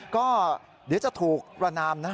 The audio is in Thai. ก็เดี๋ยวจะถูกประนามนะ